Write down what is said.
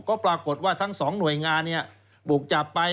ก็ปรากฏว่าทั้งสองหน่วยงานบุกจับไป